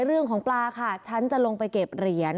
เรื่องของปลาค่ะฉันจะลงไปเก็บเหรียญ